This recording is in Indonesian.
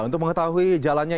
ya untuk mengetahui jalannya